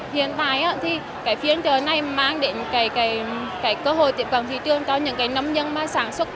hiện tại thì cái phiên chợ này mang đến cái cơ hội tiếp cận thị trường cho những cái nông dân mà sản xuất